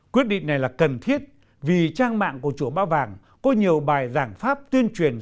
quyết định này là cần thiết vì trang mạng của chùa ba vàng có nhiều bài giảng pháp tuyên truyền